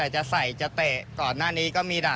ผมก็เลยนั่งคลิป